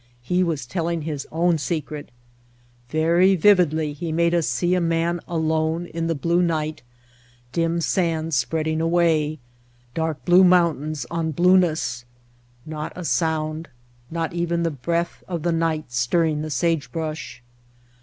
He was telling his own secret. Very vividly he made us see a man alone in the blue night, dim sand spreading away, dark blue mountains on blueness. Not a sound, not even the breath of the night stirring the sagebrush.